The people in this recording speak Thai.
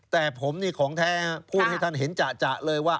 แต่ผมนี่ของแท้พูดให้ท่านเห็นจะเลยว่า